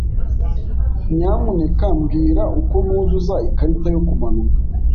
Nyamuneka mbwira uko nuzuza ikarita yo kumanuka.